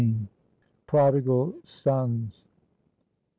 PRODIGAL SONS.